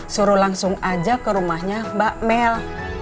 suruh langsung aja ke rumahnya mbak mel